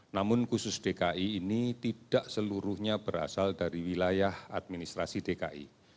namun khusus dki ini tidak seluruhnya berasal dari wilayah administrasi dki